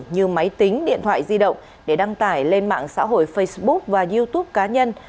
như máy tính điện thoại di động để đăng tải lên mạng xã hội facebook và youtube cá nhân